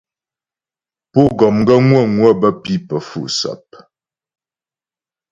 Pú gɔm gaə́ ŋwə̌ŋwə bə́ pǐ pə́ fu'sap.